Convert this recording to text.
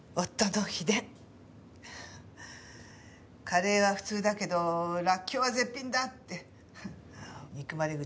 「カレーは普通だけどらっきょうは絶品だ」って憎まれ